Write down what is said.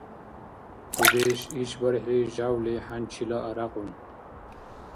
Дудеш ишбархӀи жявли хӀянчила арякьун.